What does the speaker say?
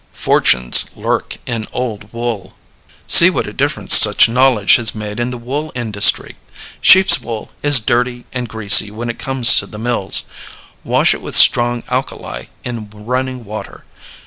Fortunes Lurk in Old Wool. See what a difference such knowledge has made in the wool industry. Sheep's wool is dirty and greasy when it comes to the mills. Wash it with strong alkali in running water.